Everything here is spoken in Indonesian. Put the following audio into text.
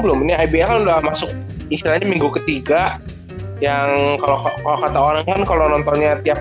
belum ini ibl kan udah masuk istilahnya minggu ketiga yang kalau kata orang kan kalau nontonnya tiap